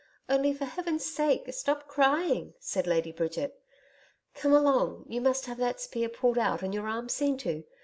Only for heaven's sake, stop crying,' said Lady Bridget. 'Come along. You must have that spear pulled out and your arm seen to.